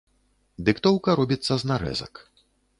Дыктоўка робіцца з нарэзак.